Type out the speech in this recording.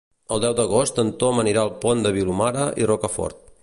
El deu d'agost en Tom anirà al Pont de Vilomara i Rocafort.